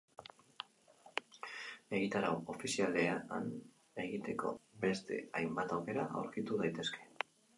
Egitarau ofizialean egiteko edo ikusteko beste hainbat aukera aurkitu daitezke.